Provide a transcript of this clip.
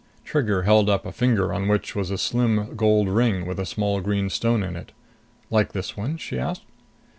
Trigger held up a finger on which was a slim gold ring with a small green stone in it. "Like this one?" she asked.